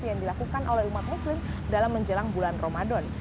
yang dilakukan oleh umat muslim dalam menjelang bulan ramadan